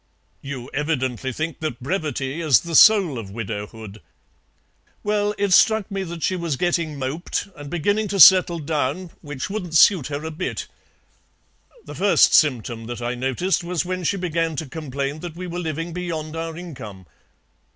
"You evidently think that brevity is the soul of widowhood." "Well, it struck me that she was getting moped, and beginning to settle down, which wouldn't suit her a bit. The first symptom that I noticed was when she began to complain that we were living beyond our income.